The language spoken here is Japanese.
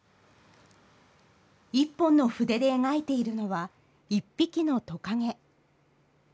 １本の筆で描いているのは１匹のトカゲ。